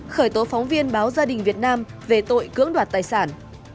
khởi tố phóng viên báo gia đình việt nam về tội cưỡng đoạt tài sản